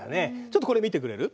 ちょっとこれ見てくれる？